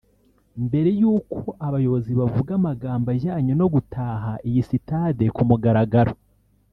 mbere y’uko abayobozi bavuga amagambo ajyanye no gutaha iyi sitade ku mugaragaro